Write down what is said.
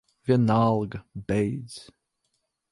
Vienalga. Beidz.